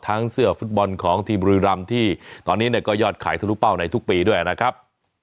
เสื้อฟุตบอลของทีมบุรีรำที่ตอนนี้เนี่ยก็ยอดขายทะลุเป้าในทุกปีด้วยนะครับ